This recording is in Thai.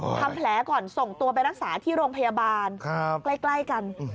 ทำแผลก่อนส่งตัวไปรักษาที่โรงพยาบาลใกล้กัน